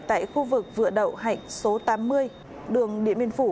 tại khu vực vựa đậu hạnh số tám mươi đường điện biên phủ